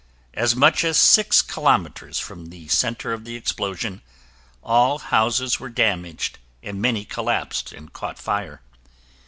As much as six kilometers from the center of the explosion, all houses were damaged and many collapsed and caught fire.